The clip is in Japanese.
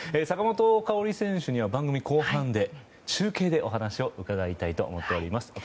坂本花織選手には番組後半で中継でお話を伺いたいと思います。